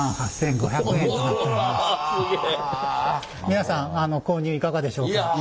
皆さん購入いかがでしょうか。